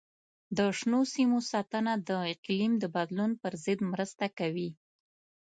د شنو سیمو ساتنه د اقلیم د بدلون پر ضد مرسته کوي.